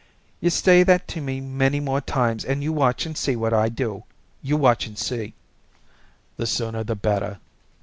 "You say that to me many more times and you watch and see what I do; you watch and see." "The sooner the better."